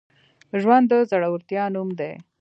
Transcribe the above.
ژوند د زړورتیا نوم دی.